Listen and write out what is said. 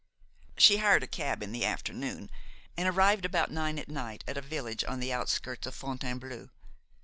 She hired a cab in the afternoon and arrived about nine at night at a village on the outskirts of Fontainebleau.